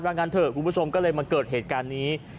งั้นเถอะคุณผู้ชมก็เลยมาเกิดเหตุการณ์นี้